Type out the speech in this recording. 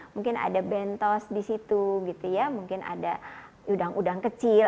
mungkin ada bentos di situ gitu ya mungkin ada udang udang kecil